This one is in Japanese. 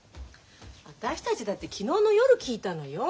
私たちだって昨日の夜聞いたのよ。